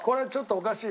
おかしい？